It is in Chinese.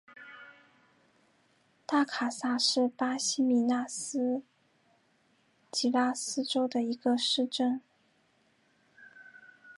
大卡萨是巴西米纳斯吉拉斯州的一个市镇。